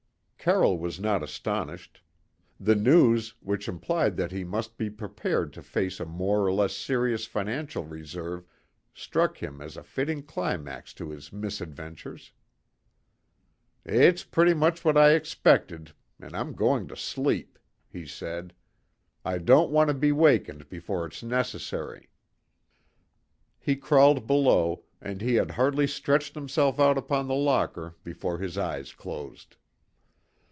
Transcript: Carroll was not astonished. The news, which implied that he must be prepared to face a more or less serious financial reverse struck him as a fitting climax to his misadventures. "It's pretty much what I expected, and I'm going to sleep," he said. "I don't want to be wakened before it's necessary." He crawled below, and he had hardly stretched himself out upon the locker before his eyes closed.